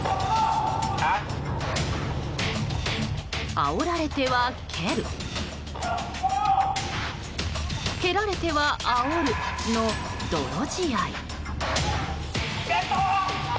あおられては蹴る蹴られてはあおるの泥仕合。